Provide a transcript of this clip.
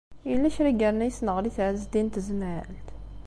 Yella kra i yerna yessenɣel-it Ɛezdin n Tezmalt?